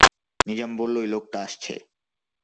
নিজাম বলল, ঐ লোকটা আসছে।